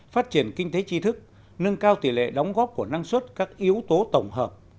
phát triển kinh tế tri thức nâng cao tỷ lệ đóng góp của năng suất các yếu tố tổng hợp